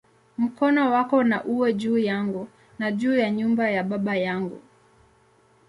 Mkono wako na uwe juu yangu, na juu ya nyumba ya baba yangu"!